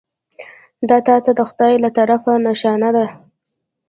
دا تا ته د خدای له طرفه نښانه ده .